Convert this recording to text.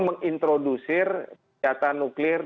mengintrodusir data nuklir